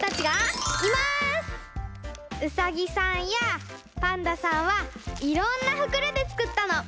ウサギさんやパンダさんはいろんなふくろでつくったの。